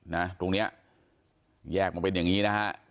นะตรงเนี้ยแยกมาเป็นอย่างนี้นะฮะ